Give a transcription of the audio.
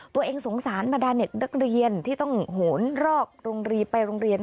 ตัวเองสงสารมาด้านเน็ตนักเรียนที่ต้องโหนรอกลงรีไปลงเรียน